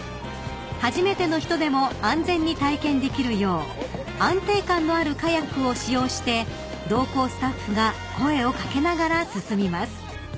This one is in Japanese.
［初めての人でも安全に体験できるよう安定感のあるカヤックを使用して同行スタッフが声を掛けながら進みます］